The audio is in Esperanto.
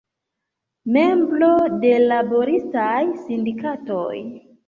Membro de laboristaj sindikatoj.